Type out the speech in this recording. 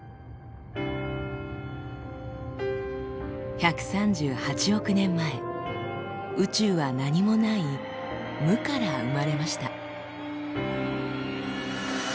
１３８億年前宇宙は何もない「無」から生まれました。